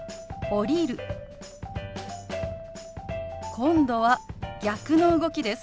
今度は逆の動きです。